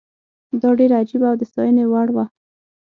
دا ډېره عجیبه او د ستاینې وړ وه.